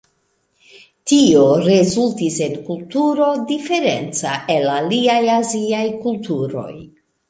Tio rezultis en kulturo diferenca el aliaj aziaj kulturoj.